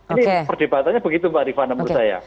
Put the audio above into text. ini perdebatannya begitu pak rifat menurut saya